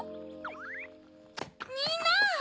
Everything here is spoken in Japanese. ・みんな！